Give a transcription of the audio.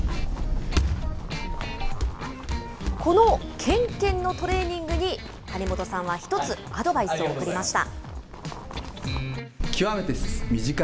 このけんけんのトレーニングに、谷本さんは一つアドバイスを送りました。